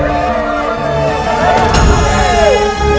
perasaan semua saping kayak gini